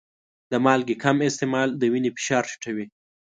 د مالګې کم استعمال د وینې فشار ټیټوي.